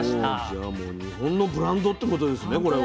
じゃあもう日本のブランドってことですねこれは。